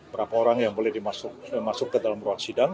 berapa orang yang boleh masuk ke dalam ruang sidang